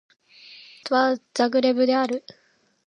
クロアチアの首都はザグレブである